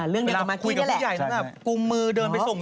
เวลาคุยกับผู้ใหญ่ต้องกลุ่มมือเดินไปส่ง